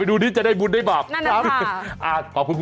โอ้โห